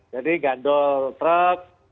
jadi gandol truk